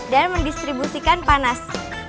dan mendistribusikan panas